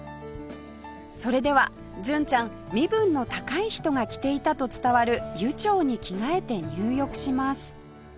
それでは純ちゃん身分の高い人が着ていたと伝わる湯帳に着替えて入浴します